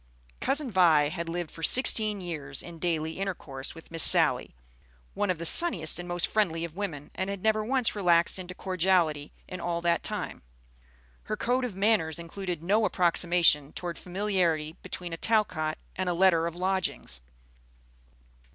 Cousin Vi had lived for sixteen years in daily intercourse with Miss Sally, one of the sunniest and most friendly of women, and had never once relaxed into cordiality in all that time. Her code of manners included no approximation toward familiarity between a Talcott and a letter of lodgings.